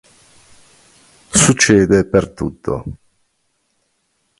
Succede per tutto.